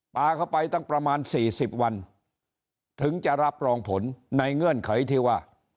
ปลาเข้าไปตั้งประมาณ๔๐วันถึงจะรับรองผลในเงื่อนไขที่ว่า